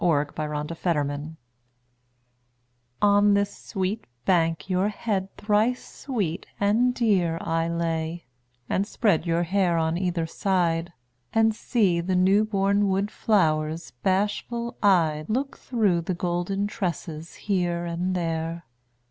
YOUTH'S SPRING TRIBUTE On this sweet bank your head thrice sweet and dear I lay, and spread your hair on either side, And see the newborn wood flowers bashful eyed Look through the golden tresses here and there.